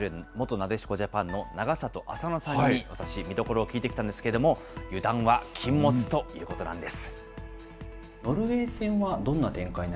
なでしこジャパンの永里亜紗乃さんに私、見どころを聞いてきたんですけれども、油断は禁物ということなんです。